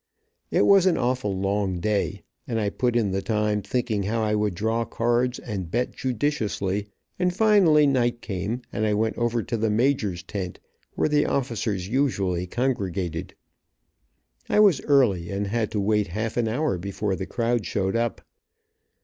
It was an awful long day, but I put in the time thinking how I would draw cards, and bet judiciously, and finally night came, and I went over to the major's tent, where the officers usually congregated. I was early, and had to wait half an hour before the crowd showed up.